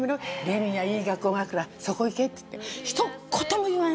レミにはいい学校があるからそこ行け」っつって。